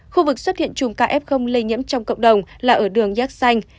khu vực xuất hiện chùm kf lây nhiễm trong cộng đồng là ở đường yx xanh